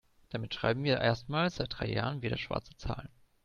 Damit schreiben wir erstmals seit drei Jahren wieder schwarze Zahlen.